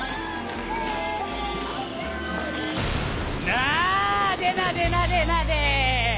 なでなでなでなで。